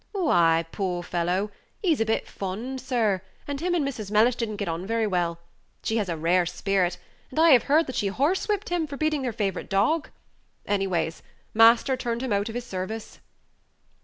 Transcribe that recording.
"Why, poor fellow, he's a bit fond, sir, and him and Mrs. Mellish did n't get on very well; she has a rare spirit, and I have heard that she horsewhipped him for beating her favorite dog. Anyways, master turned him out of his service."